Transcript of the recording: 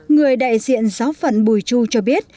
người đại diện giáo phận bùi chu cho biết